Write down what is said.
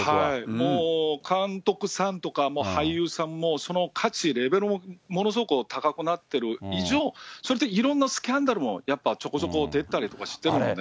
もう、監督さんとか、俳優さんも、その価値、レベルも、ものすごく高くなってる以上、それでいろんなスキャンダルも、やっぱちょこちょこ出てたりしてますもんね。